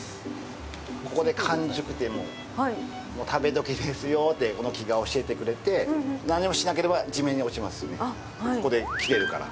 ここで完熟で、食べどきですよってこの木が教えてくれて、何もしなければ、地面に落ちますね、ここで切れるから。